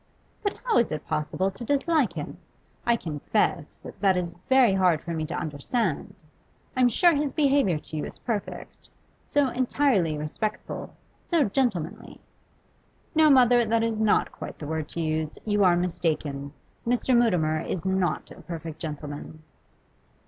'But how is it possible to dislike him? I confess that is very hard for me to understand. I am sure his behaviour to you is perfect so entirely respectful, so gentlemanly.' 'No, mother, that is not quite the word to use. You are mistaken; Mr. Mutimer is not a perfect gentleman.